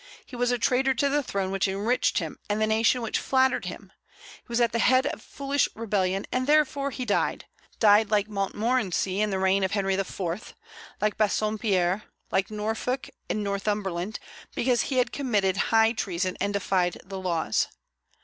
He was a traitor to the throne which enriched him and the nation which flattered him. He was at the head of foolish rebellion, and therefore he died, died like Montmorency in the reign of Henry IV., like Bassompierre, like Norfolk and Northumberland, because he had committed high treason and defied the laws.